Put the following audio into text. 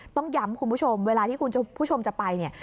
ต้องย้ำคุณผู้ชมเวลาที่คุณผู้ชมจะไปเนี่ย